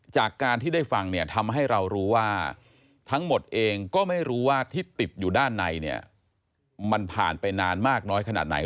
จากการที่ได้ฟังเนี่ยทำให้เรารู้ว่าทั้งหมดเองก็ไม่รู้ว่าที่ติดอยู่ด้านในเนี่ยมันผ่านไปนานมากน้อยขนาดไหน